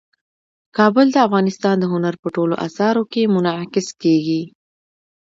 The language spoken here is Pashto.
کابل د افغانستان د هنر په ټولو اثارو کې منعکس کېږي.